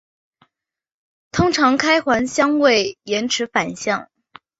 通常开环相位延迟反相。